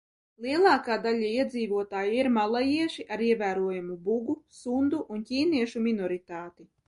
Lielākā daļa iedzīvotāju ir malajieši ar ievērojamu bugu, sundu un ķīniešu minoritāti.